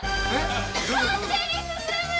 勝手に進む！